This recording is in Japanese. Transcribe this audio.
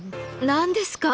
何ですか？